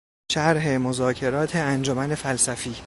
شرح مذاکرات انجمن فلسفی